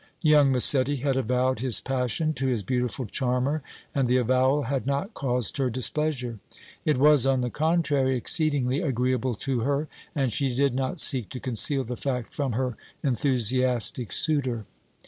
Young Massetti had avowed his passion to his beautiful charmer, and the avowal had not caused her displeasure; it was, on the contrary, exceedingly agreeable to her and she did not seek to conceal the fact from her enthusiastic suitor.